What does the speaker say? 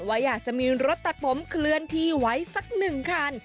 ว่าอยากจะมีรถตัดผมเคลื่อนที่ไว้สักหนึ่งคัน